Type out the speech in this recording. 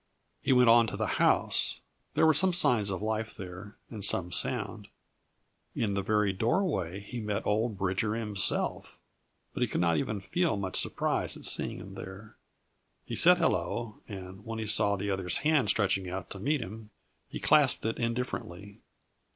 He went on to the house. There were some signs of life there, and some sound. In the very doorway he met old Bridger himself, but he could not even feel much surprise at seeing him there. He said hello, and when he saw the other's hand stretching out to meet him, he clasped it indifferently.